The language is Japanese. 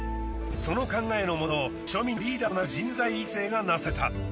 その考えのもと庶民のリーダーとなる人材育成がなされた。